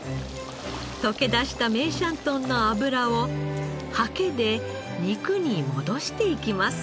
溶け出した梅山豚の脂をハケで肉に戻していきます。